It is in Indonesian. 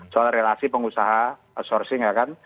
soal relasi pengusaha outsourcing ya kan